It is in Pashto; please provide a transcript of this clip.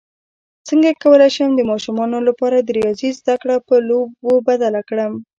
څنګه کولی شم د ماشومانو لپاره د ریاضي زدکړه په لوبو بدله کړم